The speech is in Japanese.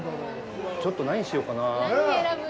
ちょっと何しようかなあ。